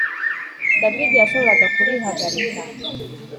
David yashoboraga kubihagarika